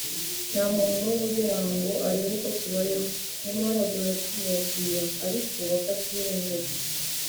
nta muntu n’umwe ugera aha ngo arebe uko tubayeho nyamara duhora tubibabwira ariko bakabyirengagiza